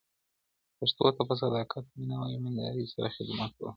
پښتو ته په صداقت، مینه او ایمانداري سره خدمت وکړئ.